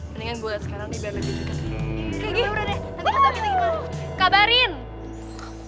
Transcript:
mendingan gue liat sekarang dibelakang juga